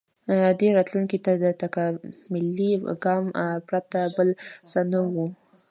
• دې راتلونکي ته د تکاملي ګام پرته بل څه نه و.